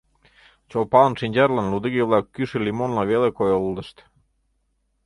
Чолпанын шинчажлан лудиге-влак кӱшӧ лимонла веле койылдышт.